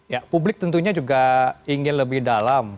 ya publik tentunya juga ingin lebih dalam